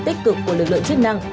tích cực của lực lượng chức năng